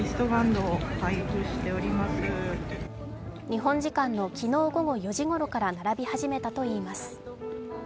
日本時間の昨日午後４時ごろから並び始めたといいます。